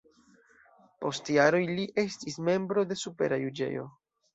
Post jaroj li estis membro de supera juĝejo.